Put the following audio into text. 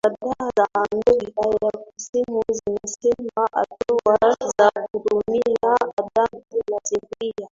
kadhaa za Amerika ya Kusini zinasema hatua za kutumia adhabu na sheria